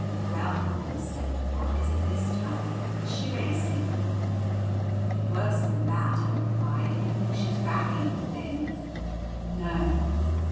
"Well," he said, "what is it this time? Is she racing?" "Worse than that," I replied. "I think she's backing the thing!" "No!"